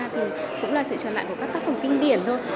thì cũng là sự trở lại của các tác phẩm kinh điển thôi